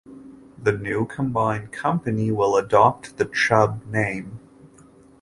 The new combined company will adopt the Chubb name.